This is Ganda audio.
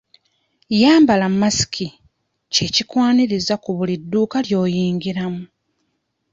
"""Yambala masiki"" kye kikwaniriza ku buli dduuka lw'oyingira mu ."